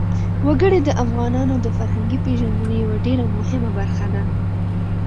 وګړي د افغانانو د فرهنګي پیژندنې یوه ډېره مهمه برخه ده.